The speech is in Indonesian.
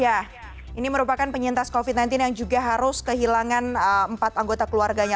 ya ini merupakan penyintas covid sembilan belas yang juga harus kehilangan empat anggota keluarganya